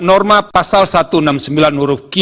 norma pasal satu ratus enam puluh sembilan uruf ki